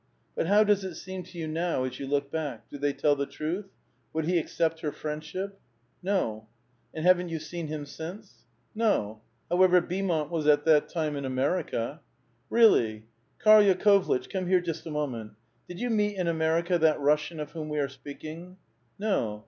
" But how does it soem to you now, as you look back? do they tell the truth? Would he accept her friendship? "*' No." And haven't you seen him since? " A VITAL QUESTION. 456 *' No. However, Beaumont was at that time id America." "Really! Karl Yakovlieh, come here just a moment. Did you meet in America that Russian of whom we are speaking?" '* No."